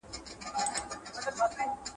د زړه صبر او اجرونه غواړم ..